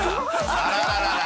あらららら！